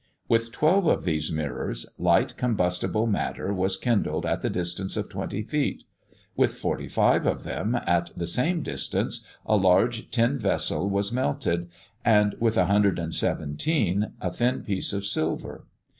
With twelve of these mirrors, light combustible matter was kindled at the distance of twenty feet; with forty five of them, at the same distance, a large tin vessel was melted, and with 117, a thin piece of silver.